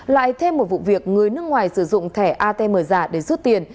lại thêm một vụ việc người nước ngoài sử dụng thẻ atm giả để rút tiền